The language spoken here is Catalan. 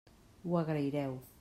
Ho agraireu.